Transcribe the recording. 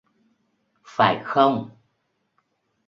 Phải không